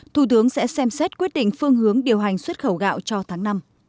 thủ tướng sẽ xem xét quyết định phương hướng điều hành xuất khẩu gạo cho tháng năm